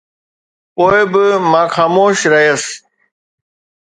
پوءِ به مان خاموش رهيس